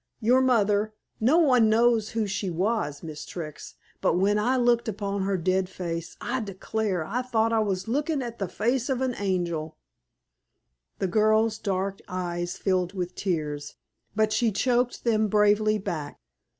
Your mother no one here knows who she was, Miss Trix; but when I looked upon her dead face, I declar' I thought I was a lookin' at the face o' an angel." The girl's dark eyes filled with tears, but she choked them bravely back.